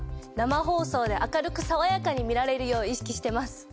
生放送で明るくさわやかに見られるよう意識してます。